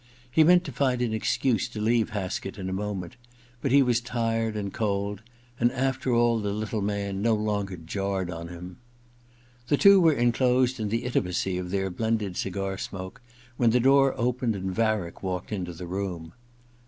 He meant to find an excuse to leave Haskett in a moment ; but he was tired and cold, and after all the little man no longer jarred on him. The two were enclosed in the intimacy of their blended cigar smoke when the door opened and Varick walked into the room.